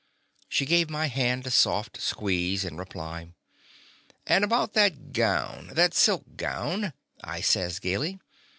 She gave my hand a soft squeeze in reply. "And about that gown — that silk gown," I says, gaily.